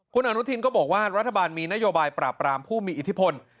คุณอนุทินก็บอกว่ารัฐบาลมีนโยบายปราบรามผู้มีอิทธิพล